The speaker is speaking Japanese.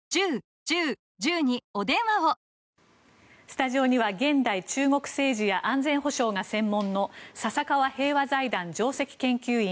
スタジオには現代中国政治や安全保障が専門の笹川平和財団上席研究員